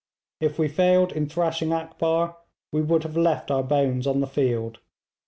If we failed in thrashing Akbar, we would have left our bones on the field.'